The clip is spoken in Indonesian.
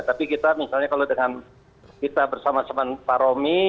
tapi kita misalnya kalau dengan kita bersama sama pak romi